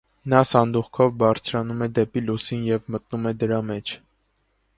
Նա սանդուղքով բարձրանում է դեպի լուսին և մտնում է դրա մեջ։